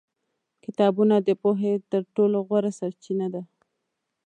کتابونه د پوهې تر ټولو غوره سرچینه دي.